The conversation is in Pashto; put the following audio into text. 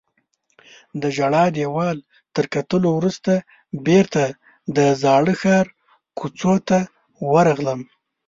د ژړا دیوال تر کتلو وروسته بیرته د زاړه ښار کوڅو ته ورغلم.